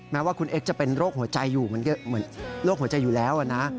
แม้ว่าคุณเอ็กซจะเป็นโรคหัวใจอยู่เหมือนโรคหัวใจอยู่แล้วนะ